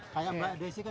kayak mbak desi kan gila